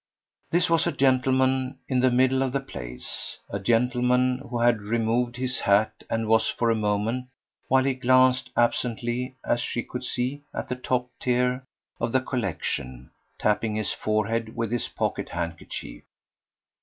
This was a gentleman in the middle of the place, a gentleman who had removed his hat and was for a moment, while he glanced, absently, as she could see, at the top tier of the collection, tapping his forehead with his pocket handkerchief.